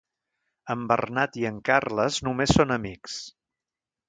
En Bernat i en Carles només són amics.